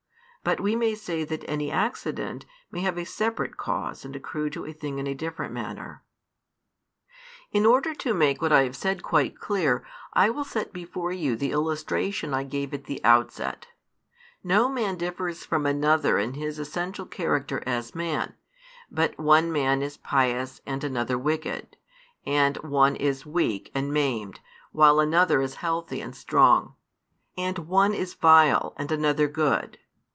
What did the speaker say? But we may say that any accident may have a separate cause and accrue to a thing in a different manner. |354 In order to make what I have said quite clear, I will set before you the illustration I gave at the outset. No man differs from another in his essential character as man; but one man is pious and another wicked; and one is weak and maimed, while another is healthy and strong; and one is vile and another good.